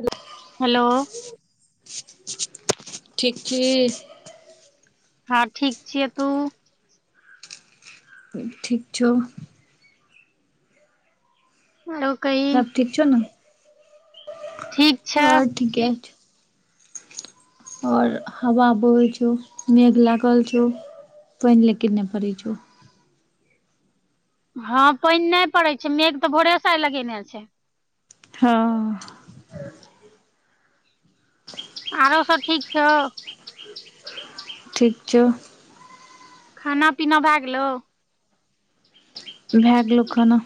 Hello hello ठीक छी हँ ठीक छियै तू ठीक छौ औरो कही सब ठीक छौ न ठीक छऽ ठीके छै ओर हवा बोहै छौ मेघ लागल छौ पइन लेकिन नै पड़ै छौ हँ पइन नै पड़ै छै मेघ तऽ भोरेसऽ आय लगेने छै हँ आरो सब ठीक छौ ठीक छौ। खाना पीना भए गेलौ। भए गेलौ खाना।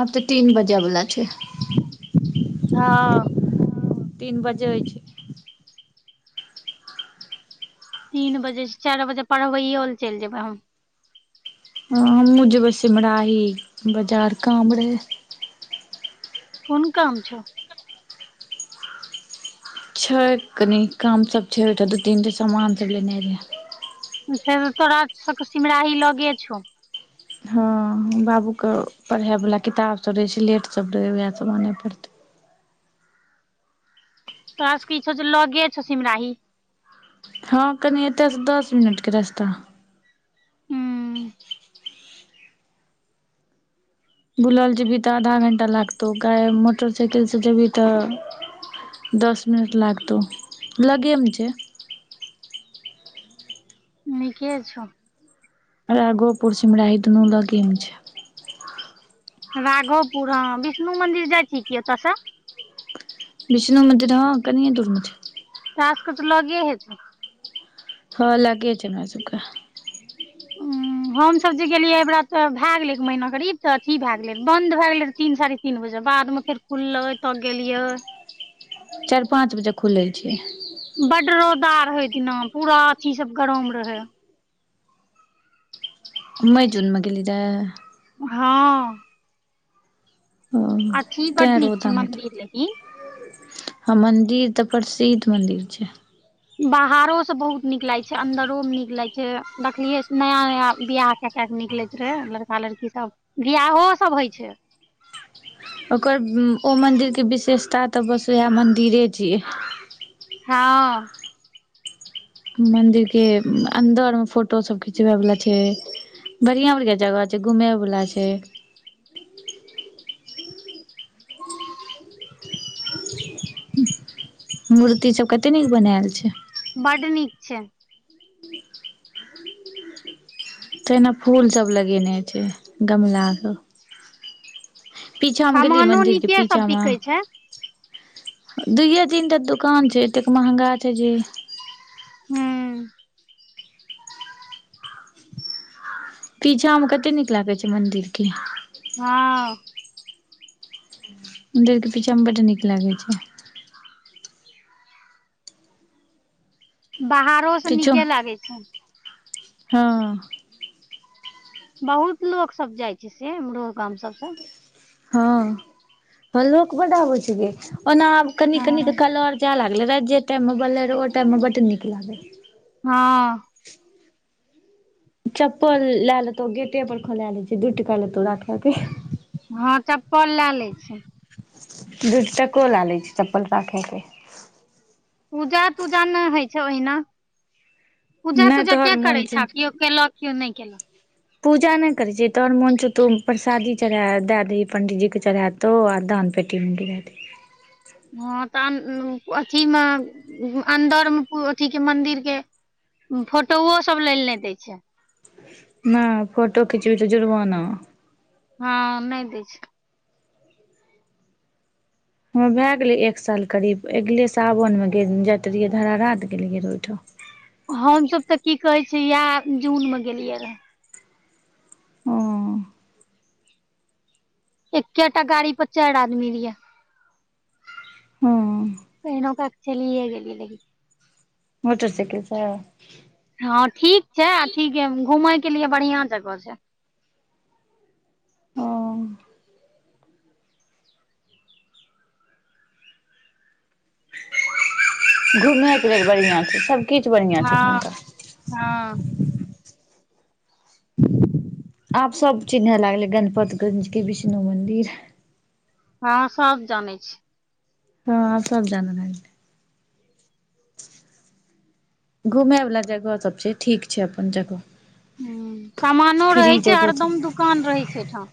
आब तऽ तीन बजे बला छै। हँ। ह तीन बजे छै। तीन बजे से चारि बजे पढ़बै यो ल चलि जेबै। हम हँ, हमहुँ जेबै, सिमराही बजार काम रहे। कोन काम छ। छै। कनि काम सब छै। दू तीन त सामान सब लेने रहे। से त तोरा सब के सिमराही लगे छौ। हाँ, बाबू क पढ़े वाला किताब सब रहे, स्लेट सब रहे, उहे सब आने पड़ते तोराास क छौ छ। लगे छौ। सिमराही हँ कनि एतय सँ दस मिनटके रास्ता। हूँ बुलि क' जेबही तऽ आधा घंटा लागतौ। आओर मोटरसाइकिल सँ जँ जेबही तऽ कम समय लागतौ दस मिनट लागतौ लगेम छै। नीक छ। राघोपुर सिमराही दुनू लगे मे छै। राघोपुर ह विष्णु मंदिर जाइ छी। की ओतय से विष्णु मन्दिर हँ कनिए दूर मे छै तोरा सब के त लगे हेतै। हँ लागे छै। हमरा सब के नहि। [unintelligible] हमस जे गेलियै एहिबरा तऽ'भए गेलै। एक महना करीब तऽ' अथी भए गेलै। बन्द भए गेलै तीन साढ़े तीन बजे बाद मे फेर खुललै तब गेलियै। चारि पाँच बजे खुलल छियै। बड रौदा हे दिना पूरा अथी सब गर मे रहे। मइ झुनमे गेलेली त हँ। ओ अथी तैं बड नीक छै। रौदामे मंदिर लेकिन हँ मन्दिर तऽ'प्रसिद्ध मन्दिर छै। बाहरो से बहुत निक लाग छै। अंन्दरो मे निक लाग छै। देखलियै नया नया बियाह। क, क के निकलैत रहे लड़का लड़की सब बिियाह सब होइ छै। ओकर ओ मन्दिरके विशेषता तऽ'बस उएह मन्दिरे छियै। हँ। मंदिर के अन्दर में फोटो सब खिचबे वला छै। बढ़िया बढ़िया जगह छै घूमे वला छै। मूर्तिसभ कतेक नीक बनायल छै। बड नीक छै। तऽ'हिना फूलसभ लगेने छै। गमलाकँ पीछामे गेलियै। सामानो मन्दिरके नीके सब पीछामे बिकै छै दुूए दिन तऽ'दुकान छै। एतेक महंगा छै। जे हू। पीछा मे कते नीक लागैत छै। मंन्दिर के हँ। मंदिर के पीछा में बड नीक लागे छै। बाहरो से पीछू नीके लागे छै। हँ। बहुत लोको सब जाइ छै। से अमरो गाम सबसँ हँ, ह लोक बड होइ छैिक। ओना आब कनि हँ कनिक कलर तैं लागलैऽ' जे टाइम में बनलै र ओ टाइम में बड नीक लागल। हँ चप्पल लए लेतौ गेटे पर खोलेए ले छै दूइ टका लेतौ राखे के। हँं चप्पल लए ले छै दूइ टको लेए लै छै चप्पल राखै के। पूजा तूजा नहि होइ छै ओहिना पूजा नहि तूजा तोहर किया मोन करै छौ छेँ आब कियो केलक कियो नहि केलक। पूजा नहि करै छिय तोहर मोन छौ तूँ परसादी चढ़ा दए दही पण्डीजीके चढ़ाए। तो आ दान पेटी मे गिरए दही। हँ तऽ' अथीमे अन्दरमे अथीके मन्दिरके फोटोओ सब लेल नहि दय छै। ने फोटो खिचबी तऽ' जुरबाना। हँ नहि दै छै। हमर भए गेलै एक साल करीब एगले सावनमे गेल जाइत रहियै धरा रात गेलियै रहऽ'ओहिठाम। हमसभ तऽ'की कहै छी इएह जून मे गेलियै रह। हँ। [unintelligible] एकेटा गाड़ी पर चारि आदमी रीए। हँ। [unintelligible] केहनोकऽ चलिए गेलीए लेकिन। [unintelligible] मोटरसइकल से। हँ ठीक छै अथि के घूमय के लिए बढ़िया जगह छै। ओ। घुमएके लेल बढ़ियाँ छै सबकिछ बढ़ियाँ छै हँ ओठुमका। हँ। आब सब चिन्है लागले गनपतगंज के बिष्णु मंदिर। हँ, सब जानै छै। हँ सब जान लागै। घूमय बला जगह सब छै, ठीक छै अपन जगह। हूं, सामानो रहै फ्री छै जगह अरदम दुकान रहै छै ऐठाम।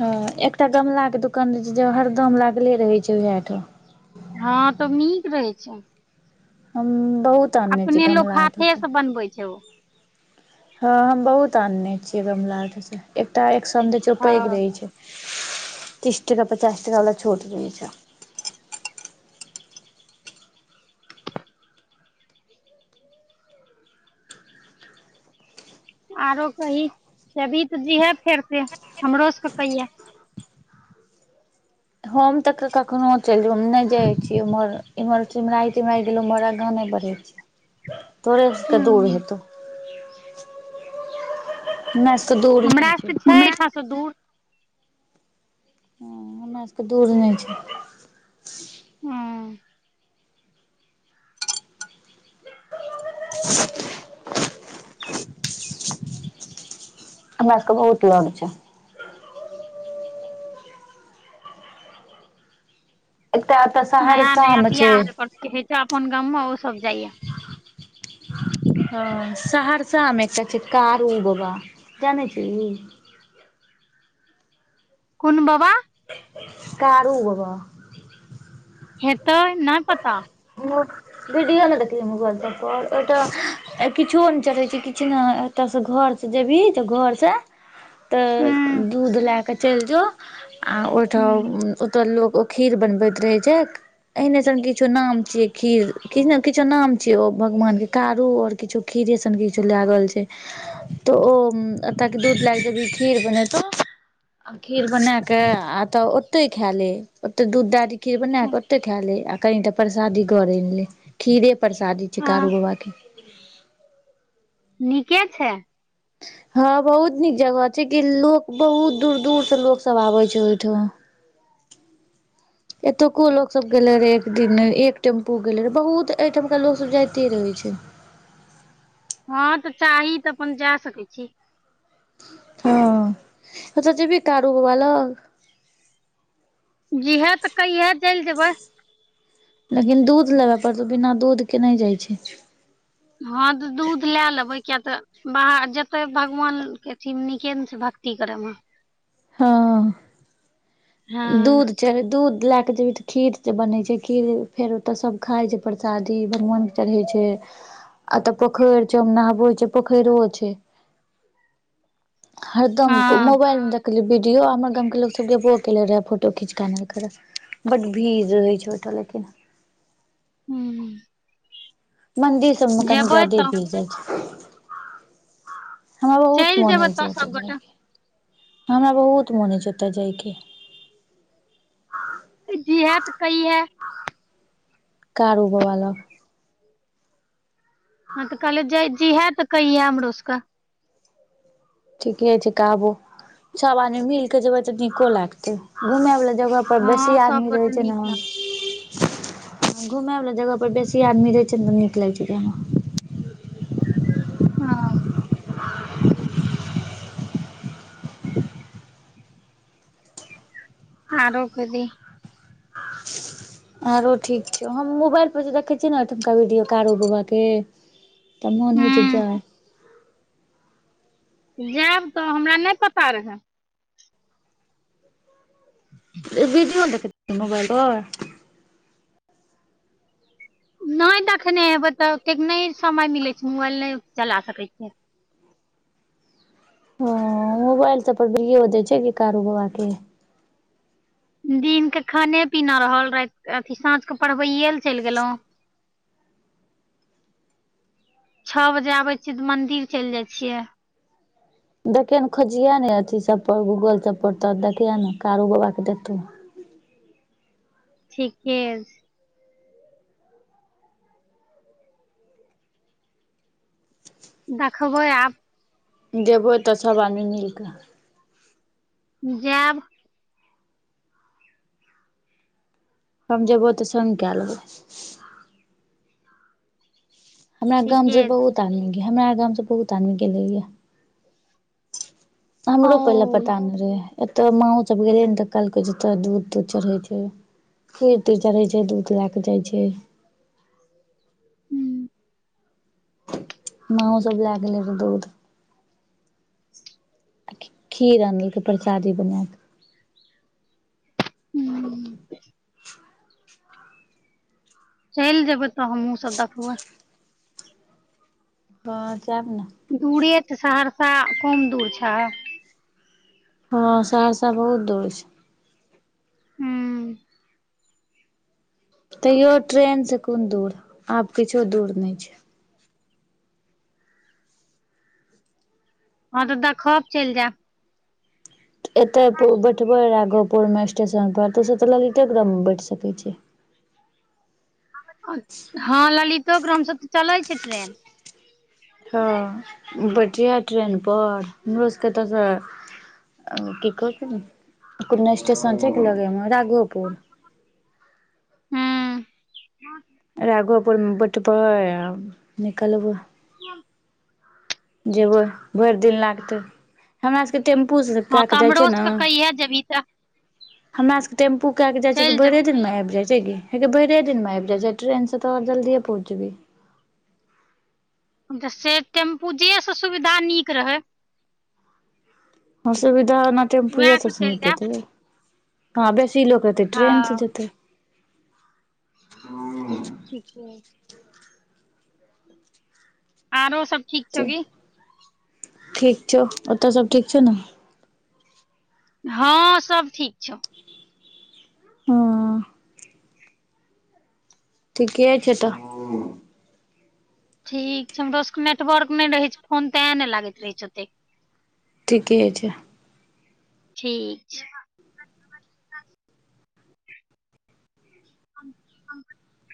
हँ, एकटा गमला के दुकान रहे छै जे में हरदम लागले रहे छै वेह ठा हँ, तऽ नीक रहै छै। हम बहुत अनने छी कमला अतऽ से। पनबै छै ओ हँ, हम बहुत आनने छियै गमला अत से, एकटा एक-सौ में दै छै ओ पैघ हँ रहै छै। तीस-टका पचास-टका बला छोट रहै छें। आरो कही जेभी तऽ जीहें फेर से हमरो सके कहियें। हम तऽ ककखनो चैल गेलौं, नै जै छियै ओमहर, इम्हर सिमराई-तिमराई गेलौं म्हरा गाम में बड नीक तोरे स के दूर हूँ हेतौ। नै से दू हमरा सबके छै ऐठां से दूर। हँ, हमरा स के दूर नैं छै। हूं। [unintelligible] हमरा सबके बहुत लग छै। एकटा एतऽ सहरसा नया-नया मे छै बियाह जेकर सबके होइ छै अपन गाम मे ओ सब जाइये। [unintelligible] हँ, सहरसा में छथि कारो बबा, जानै छिही? कोन बबा? कारू बबा। हेतै नहि पता। विडियो नइ देखलिहि मोबाइल सब पर ओत आई किछो नहि चढ़ै छै किछु ने एतयसँ घरसँ जेबही तऽ घरसँ हूँ तऽ दूध लए कऽ चलि जाउ आओर हूँ ओहिठाम ओतऽ लोग अ खीर बनबैत रहे छै एहने कि किछु नाम छिए खीर किछो ने किछो नाम छिए ओ भगवान के कारू आओर किछु खीरेसन किछो लागल छै। तऽ ओ एतक दूध लएऽ जभी खीर बनेतउ। खीर बनाके आ ओतए खा ले ओतए दूध दऽ दिही। खिर बनाके ओतइ खा ले आ कनि टाऽ प्रसादी घर अइन ले खिरे परसादी छै हँ कारूबाबाके। नीके छै। हँ बहुत निक जगह छै कि- लोक बहुत दूर दूर से लोक सभ आबै छै ओहिठाम। [unintelligible] एतुको लोकसभ गेले रहे, एक दिन एक टेम्पू गेले रहे बहुत अइठमका लोकसभ जाइते रहे छै। हँ तऽ चाही तऽ अपन जा सकैऽ छी। हँऽ अच्छा जेबहि कारू बाबा लग। जीहए तऽ कहिए चलि जेबै। लेकिन दूध लेबय पड़तौ, बिना दूधके नहि जाइ छै। हँ तऽ दूध लए लेबै किया तऽ। बाहर जते भगवान के अथिमें तऽ निके छै न भक्ति कऽरम। हँ। हँ दूध। दूध लए कऽ जेबही तऽ खीर बनै छै- खीर फेर ओतऽ सब खाइ छै परसादी- भगवान। चढ़ै छै, एतऽ पोखरि छै, नाहबै छै, पोखैरो छै। हरदम हँ मोबाइल में देखलिए वीडियो, हमर गाम के लोक सभ गेबो। गेल रहे फोटो खिंचके आनलकै रहऽ, बड्ड भीड़ रहे छै ओतऽ लेकिन। हूं। मन्दिर सबमें कनि जादे तऽ भीड़ जाइ छै। हमरा बहुत चलि मोन जेबै होइ तऽ छै ओतय सबगोटा जायके, हमरा बहुत मोन होइ छै ओतय जायके। जिहए तऽ कहिए। कारू बाबा लग। हँ तऽ कहलियो जिहए तऽ कहिए हमरोसभके। ठीके छै कहबो, सब आदमी मिलके जेबे तऽ निको लागते घुमावाला जगह। पर बेसी हँ आदमी रहै सबगोटे छै नीक ने। लगतै घूमय वला जगह पर बेसी आदमी रहै छै ने तऽ निक लगै छै, जाय में। हँ। आओरो कहि। आओरो ठीक छौ, हम मोबाइल पर जे देखै छीयै ने ओहिठमका वीडियो कारो बाबा के। तऽ मोन होइ छै हूँ जाइ। जायब तऽ हमरा नहि पता रहए। विडियो देखैत छी मोबइल पर। नहि देखने हेबै तऽ-ओतेक नहि समय मिलैत छै- मोबाइल नहि चला सकै छियै। हँ मोबाइल सब पर विडियो दै छै, कारू बाबा के। दिन के खाने-पीना रहल राति, अथी साँझ के पढ़बयए ले चलि गेलहुँ। छऽ बजे आबे छियै तऽ मंदिर चलि जाइ छियै। देखियै ने खोजिहे ने अथी सब पर, गूगल सब पर तऽ देखियै ने कारू बाबा के देतौ। ठीके छै। देखबै आब। जेबौ तऽ सब आदमी मिल कऽ। जैब। हम जेबो तऽ संग कए लेबौ। हमरा गाँम से ठीके छै बहुत आदमी, हमरा गाँम से बहुत आदमी गेले यए। ओ हमरो पहिले पता नइ रहेय। एतऽ माँ ओ सब गेले ने तऽ कहलकै तोरा दूध-तूध चढ़ै छै। खीर-तीर चढ़ै छै, दूध लए कऽ जाइ छै। हूं। माँओ सब लए गेल रहे दूध। आ खीर आनलके प्रचादी बना कऽ। हू। चलि जेबै तऽ हमहुँ सब देखबै। हँ जैब ने। दूरे तऽ सहरसा कम दूर छ। हँ सहरसा बहुत दूर छै। हू। तैयो ट्रेनसँ कोन दूर आब किछो दूर नहि छै। हँ तऽ देख खब चलि जायब। एतय बैठबै र गोपुरमे स्टेशन पर तऽस तऽ ललितेरामे बैठ सकैत छी। हँ ललितो ग्रामसँ तऽ चलै छै ट्रेन। हँ बैठिह ट्रेनपर हमरो सभके एत स। की कह छै कना स्टेशन छै लगे मे राघोपुर। ह्म। राघोपुर मे बैठबै आ निकलबै। ह [unintelligible] जेबै भरि दिन लागतै। हमरा सबके टेम्पू से हँ कए तऽ कऽ जाइ हमरो छै ने। सबके कहिया जेबही तऽ हमरा सभके टेम्पू कए के जाइ छियै तऽ चलि भरिये जेबै दिनमे आबि जयइत छै। गे। हे भरिे दिनमे आबि जाइ टेनसँ तऽह जल्दीए पहुँचबी। त से टेम्पू जे से सुविधा नीक रहे। असविधा ने टेम्पूए उएह से सबसँ चलि जायब नीकेतै हँ बेसी लोक ए। ट्रेन से हँ जैतय। ठीके छै। आरो सब ठीक छौ कि। ठीक छौ ओतऽ सब ठीक छौ न। हँ सब ठीक छौ। हँ। ठीके छै तऽ। ठीक छै हमरो सबके नेटवर्क नहि रहैत छै फोन ते ने लागैत रहैत छै ओतेक। ठीके छै। ठीक छै। ह [unintelligible]